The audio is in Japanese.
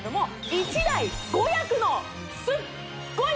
１台５役？